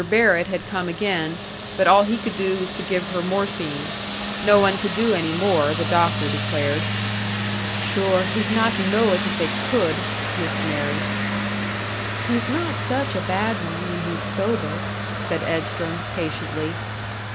Barrett had come again, but all he could do was to give her morphine. No one could do any more, the doctor declared. "Sure, he'd not know it if they could!" sniffed Mary. "He's not such a bad one, when he's sober," said Edstrom, patiently.